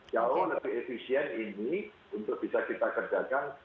jauh lebih efisien ini untuk bisa kita kerjakan